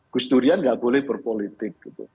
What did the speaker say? gus durian nggak boleh berpolitik